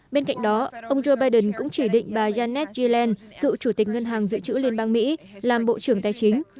bên cạnh đó ông joe biden cũng chỉ định bà yannet zelen cựu chủ tịch ngân hàng dự trữ liên bang mỹ làm bộ trưởng tài chính